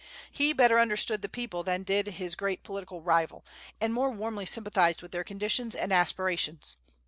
He better understood the people than did his great political rival, and more warmly sympathized with their conditions and aspirations.